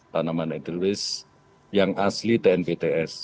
tanaman eteroris yang asli tnpts